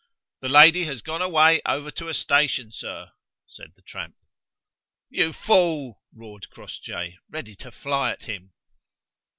"The lady has gone away over to a station, sir," said the tramp. "You fool!" roared Crossjay, ready to fly at him.